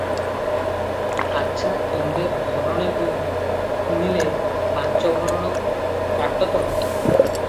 ଆଛା, ତୁମ୍ଭେ ଭରଣେ ବୁଣିଲେ ପାଞ୍ଚଭରଣ କାଟ ତ?